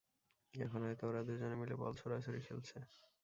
এখন হয়তো ওরা দুজনে মিলে বল ছোঁড়াছুঁড়ি খেলছে।